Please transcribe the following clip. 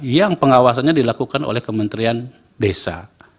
yang pengawasannya dilakukan oleh kementerian desa